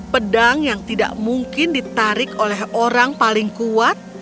pedang yang tidak mungkin ditarik oleh orang paling kuat